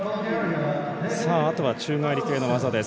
あとは宙返り系の技です。